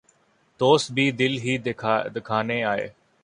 دوست بھی دل ہی دکھانے آئے